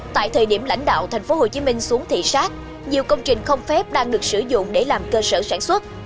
tại thời điểm lãnh đạo tp hcm xuống thị sát nhiều công trình không phép đang được sử dụng để làm cơ sở sản xuất